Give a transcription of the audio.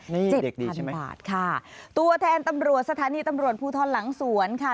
นี่เด็กดีใช่ไหม๗๐๐๐บาทค่ะตัวแทนตำรวจสถานีตำรวจผู้ท่อนหลังสวนค่ะ